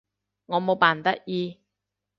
我冇扮得意